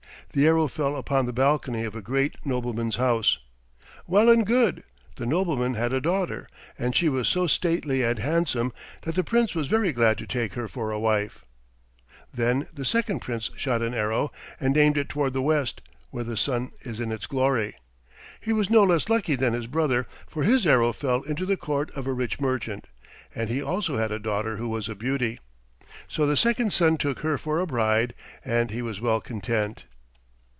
The arrow fell upon the balcony of a great nobleman's house. Well and good! The nobleman had a daughter, and she was so stately and handsome that the Prince was very glad to take her for a wife. Then the second Prince shot an arrow and aimed it toward the west, where the sun is in its glory. He was no less lucky than his brother, for his arrow fell into the court of a rich merchant, and he also had a daughter who was a beauty. So the second son took her for a bride, and he was well content.